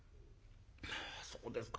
「まあそうですか。